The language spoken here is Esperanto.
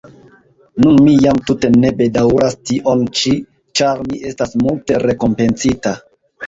Nun mi jam tute ne bedaŭras tion ĉi, ĉar mi estas multe rekompencita!